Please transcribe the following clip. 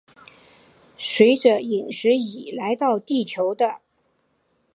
随着殒石雨来到地球的。